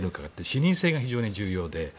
視認性が非常に重要で。